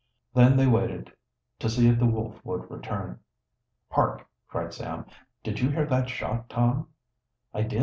Then they waited, to see if the wolf would return. "Hark!" cried Sam. "Did you hear that shot, Tom?" "I did.